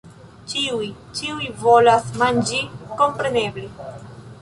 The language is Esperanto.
Ĉiuj... ĉiuj volas manĝi kompreneble!